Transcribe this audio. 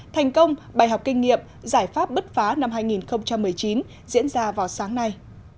thành công bài học kinh nghiệm giải pháp bứt phá năm hai nghìn một mươi chín diễn ra vào sáng nay